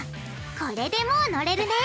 これでもうのれるね！